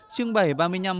trưng bày ba mươi năm năm